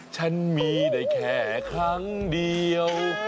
ฉันมีได้แค่ครั้งเดียว